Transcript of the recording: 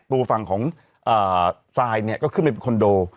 ตัวฝั่งของซายเนี่ยก็ขึ้นไปเป็นคอนโด